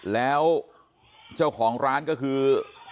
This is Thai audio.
แล้วเจ้าของร้านก็คือ